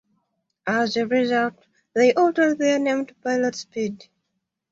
As a result, they altered their name to Pilot Speed.